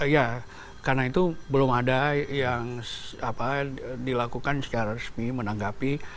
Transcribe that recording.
ya karena itu belum ada yang dilakukan secara resmi menanggapi